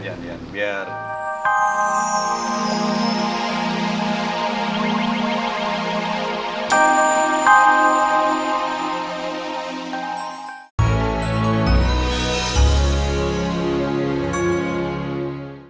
jangan jangan jangan biar